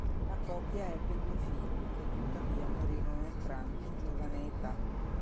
La coppia ebbe due figli, che tuttavia morirono entrambi in giovane età.